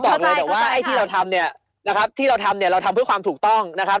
บอกเลยแต่ว่าไอ้ที่เราทำเนี่ยนะครับที่เราทำเนี่ยเราทำเพื่อความถูกต้องนะครับ